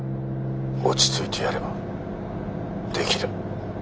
落ち着いてやればできる。